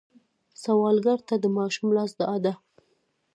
سوالګر ته د ماشوم لاس دعا ده